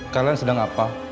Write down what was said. kalian sedang apa